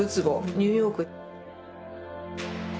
ニューヨーク。